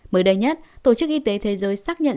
mới đây nhất tổ chức y tế thế giới xác nhận